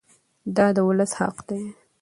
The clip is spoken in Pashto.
دا د ولس حق دی.